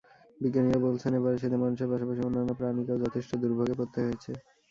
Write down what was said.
বিজ্ঞানীরা বলছেন, এবারের শীতে মানুষের পাশাপাশি অন্যান্য প্রাণীকেও যথেষ্ট দুর্ভোগে পড়তে হয়েছে।